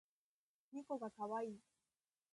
ねこがかわいい